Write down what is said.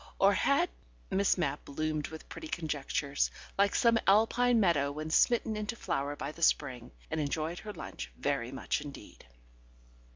Or had ... Miss Mapp bloomed with pretty conjectures, like some Alpine meadow when smitten into flower by the spring, and enjoyed her lunch very much indeed.